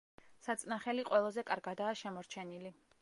საწნახელი ყველაზე კარგადაა შემორჩენილი.